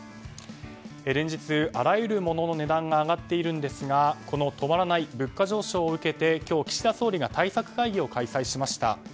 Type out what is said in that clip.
連日、あらゆるものの値段が上がっていますがこの止まらない物価上昇を受けて今日、岸田総理が対策会議を開催しました。